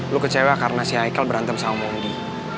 lo kecewa karena si aikel berantem sama mondi